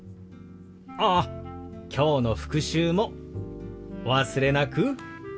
ああきょうの復習もお忘れなく。